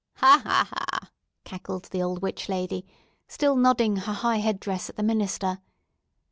"Ha, ha, ha!" cackled the old witch lady, still nodding her high head dress at the minister.